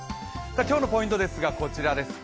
今日のポイントですが、こちらです。